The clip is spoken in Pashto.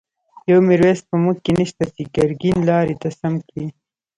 يو” ميرويس ” په موږکی نشته، چی ګر ګين لاری ته سم کړی